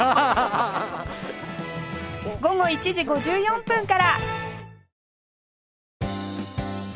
午後１時５４分から！